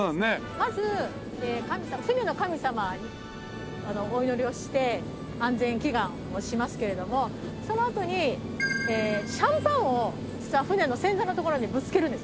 まず船の神様にお祈りをして安全祈願をしますけれどもそのあとにシャンパンを実は船の先端の所にぶつけるんです。